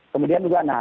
kemudian juga nah